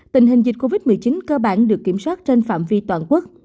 tình hình dịch covid một mươi chín cơ bản được kiểm soát trên phạm vi toàn quốc